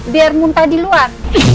biar muntah di luar